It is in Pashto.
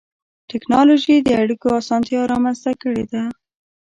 ټکنالوجي د اړیکو اسانتیا رامنځته کړې ده.